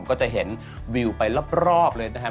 ก็จะเห็นวิวไปรอบเลยนะฮะ